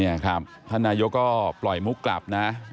นี่ครับท่านนายกก็ปล่อยมุกกลับนะ